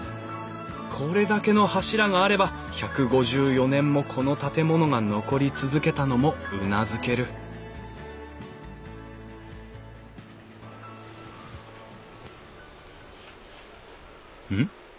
これだけの柱があれば１５４年もこの建物が残り続けたのもうなずけるうん？